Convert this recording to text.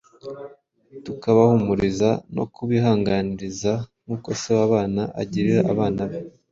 tukabahumuriza no kubihanangiriza, nk’uko se w’abana agirira abana be;